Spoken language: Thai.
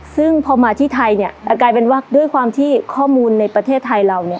ซึ่งพอมาที่ไทยเนี่ยกลายเป็นว่าด้วยความที่ข้อมูลในประเทศไทยเราเนี่ย